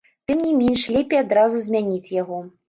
Тым не менш лепей адразу змяніць яго.